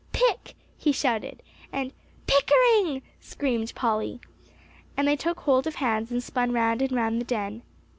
"Pick!" he shouted. And "Pickering!" screamed Polly. And they took hold of hands and spun round and round the den.